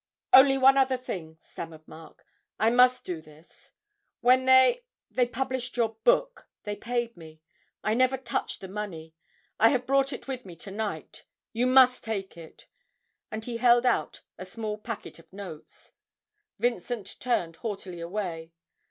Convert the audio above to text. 'Only one other thing,' stammered Mark; 'I must do this.... When they they published your book they paid me.... I never touched the money. I have brought it with me to night; you must take it!' and he held out a small packet of notes. Vincent turned haughtily away.